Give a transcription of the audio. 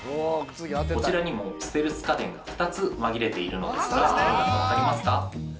こちらにもステルス家電が２つ紛れているのですが分かりますか。